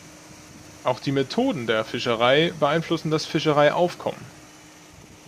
Auch die Methoden der Fischerei beeinflussen das Fischereiaufkommen.